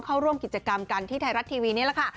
เข้าร่วมกิจกรรมกันที่ไทยรัฐทีวีนี่แหละค่ะ